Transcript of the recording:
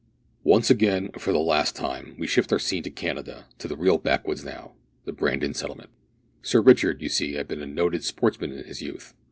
Once again, and for the last time, we shift our scene to Canada to the real backwoods now the Brandon Settlement. Sir Richard, you see, had been a noted sportsman in his youth.